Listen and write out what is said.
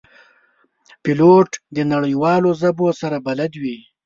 پیلوټ د نړیوالو ژبو سره بلد وي.